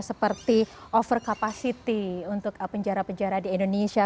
seperti over capacity untuk penjara penjara di indonesia